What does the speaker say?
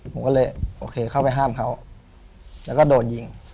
ผมก็เลยโอเคเข้าไปห้ามเขาแล้วก็โดนยิง